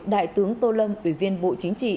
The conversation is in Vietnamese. đại tướng tô lâm ủy viên bộ chính trị